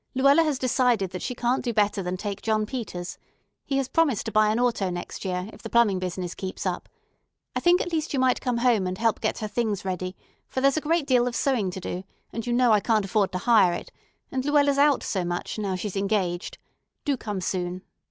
Luella has decided that she can't do better than take John Peters. He has promised to buy an auto next year, if the plumbing business keeps up. I think at least you might come home and help get her things ready; for there's a great deal of sewing to do, and you know I can't afford to hire it; and Luella's out so much, now she's engaged. Do come soon.